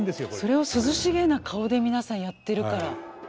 それを涼しげな顔で皆さんやってるから。